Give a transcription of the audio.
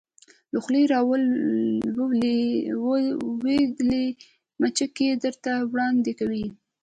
له خولې را لویدلې مچکې درته وړاندې کوې